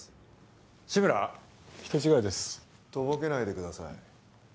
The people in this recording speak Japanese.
人違いですとぼけないでください